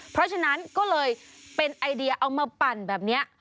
เพราะฉะนั้นก็เลยเป็นไอเดียเอามาปั่นแบบนี้